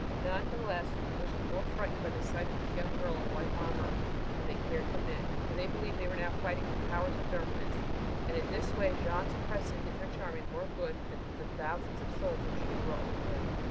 None the less the English were more frightened by the sight of this young girl in white armor than they cared to admit, for they believed they were now fighting the powers of darkness; and in this way Jeanne's presence did the French army more good than the thousands of soldiers she brought with her.